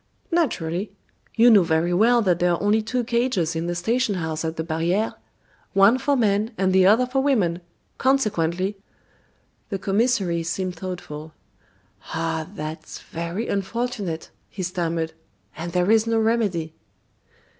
"Naturally. You know very well that there are only two cages in the station house at the barriere one for men and the other for women; consequently " The commissary seemed thoughtful. "Ah! that's very unfortunate," he stammered; "and there is no remedy."